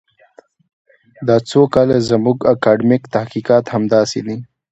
دا څو کاله زموږ اکاډمیک تحقیقات همداسې دي.